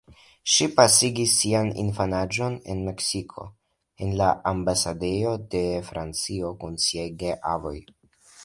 Ŝi pasigis sian infanaĝon en Meksiko en la ambasadejo de Francio kun siaj geavoj.